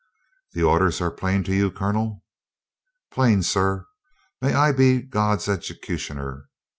"The orders are plain to you, Colonel?" "Plain, sir. May I be God's executioner!